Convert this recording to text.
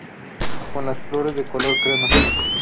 Con las flores de color crema.